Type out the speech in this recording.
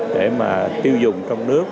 để tiêu dùng trong nước